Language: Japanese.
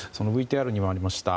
ＶＴＲにもありました